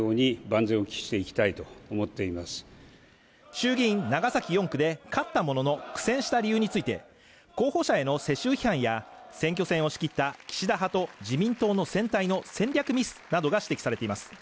衆議院長崎４区で勝ったものの苦戦した理由について候補者への世襲批判や選挙戦を仕切った岸田派と自民党の選対の戦略ミスなどが指摘されています